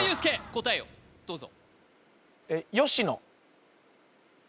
答えをどうぞ